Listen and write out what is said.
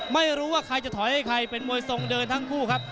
ไม่รู้ว่าใครจะถอยให้ใครเป็นมวยทรงเดินทั้งคู่ครับ